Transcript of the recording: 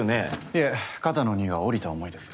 いえ肩の荷が下りた思いです。